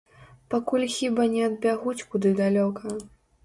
Пакуль хіба не адбягуць куды далёка.